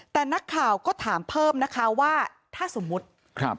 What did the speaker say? แต่นักข่าวก็ถามเพิ่มนะคะว่าถ้าสมมุติครับ